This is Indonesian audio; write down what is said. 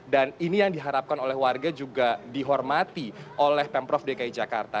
dan ini yang diharapkan oleh warga juga dihormati oleh pemprov dki jakarta